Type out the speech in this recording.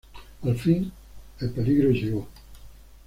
Al fin, el peligro llegó.